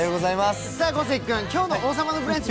小関君、今日の「王様のブランチ」